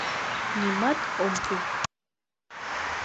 Нимат ом пу.